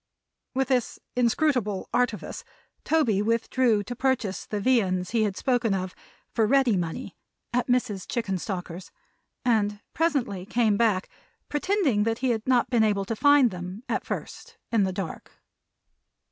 With this inscrutable artifice, Toby withdrew to purchase the viands he had spoken of, for ready money, at Mrs. Chickenstalker's; and presently came back, pretending that he had not been able to find them, at first in the dark.